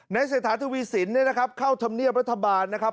เศรษฐาทวีสินเนี่ยนะครับเข้าธรรมเนียบรัฐบาลนะครับ